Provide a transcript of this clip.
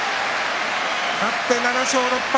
勝って、７勝６敗。